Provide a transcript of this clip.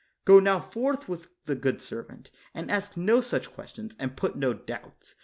Go now forth with the good servant, and ask no such questions, and put no doubts.